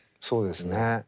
そうですね。